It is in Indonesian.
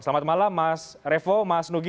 selamat malam mas revo mas nugi